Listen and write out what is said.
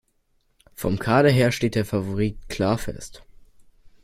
Vom Kader her steht der Favorit klar fest.